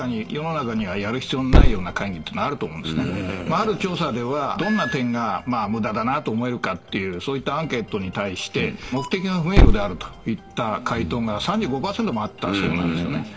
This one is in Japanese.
ある調査ではどんな点が無駄だなと思えるかっていうそういったアンケートに対して目的が不明瞭であるといった回答が３５％もあったそうなんですよね。